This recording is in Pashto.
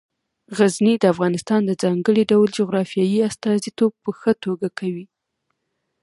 غزني د افغانستان د ځانګړي ډول جغرافیې استازیتوب په ښه توګه کوي.